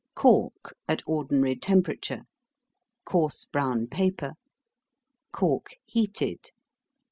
Cork, at ordinary temperature. Coarse brown paper. Cork, heated.